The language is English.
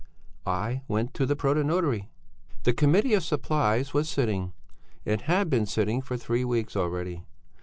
"I went to the protonotary. "The Committee of Supplies was sitting; it had been sitting for three weeks already.